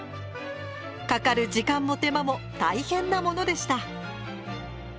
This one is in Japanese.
かかる時間も手間も大変なものでした。